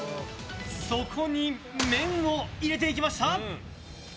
そこに麺を入れていきました！